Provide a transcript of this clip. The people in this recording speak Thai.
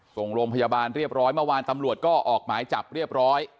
ส่งโรงพยาบาลเรียบร้อยเมื่อวานตำรวจก็ออกหมายจับเรียบร้อย